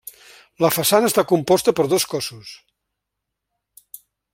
La façana està composta per dos cossos.